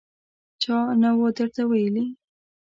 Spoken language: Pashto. _چا نه و درته ويلي!